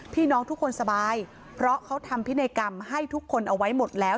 พี่น้องทุกคนสบายเพราะเขาทำพินัยกรรมให้ทุกคนเอาไว้หมดแล้ว